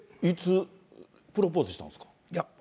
いつプロポーズしたんですか。